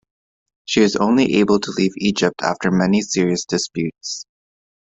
She was only able to leave Egypt after many serious disputes.